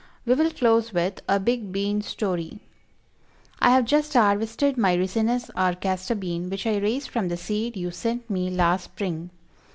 We will close with A BIG BEAN STORY. I have just harvested my Ricinus or Castor Bean, which I raised from the seed you sent me last spring.